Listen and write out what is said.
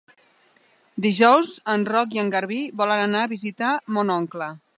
Dijous en Roc i en Garbí volen anar a visitar mon oncle.